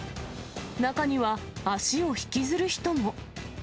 中には足を引きずる人も。